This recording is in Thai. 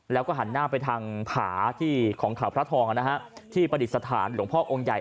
แล้วก็หันหน้าไปทางผาที่ของเขาพระทองที่ประดิษฐานหลวงพ่อองค์ใหญ่